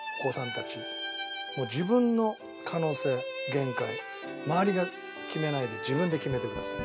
自分の可能性限界周りが決めないで自分で決めてください。